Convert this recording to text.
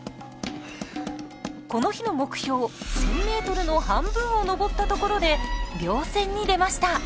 この日の目標１，０００ｍの半分を登ったところで稜線に出ました。